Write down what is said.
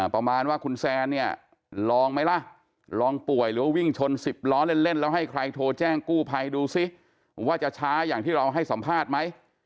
ประมาณว่าคุณแซนเนี่ยลองไหมล่ะลองป่วยหรือว่าวิ่งชน๑๐ล้อเล่นแล้วให้ใครโทรแจ้งกู้ภัยดูซิว่าจะช้าอย่างที่เราให้สัมภาษณ์ไหม